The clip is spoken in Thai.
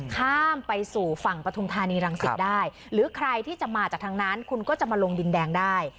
ข้ามไปสู่ฝั่งปฐุมธานีรังสิตได้หรือใครที่จะมาจากทางนั้นคุณก็จะมาลงดินแดงได้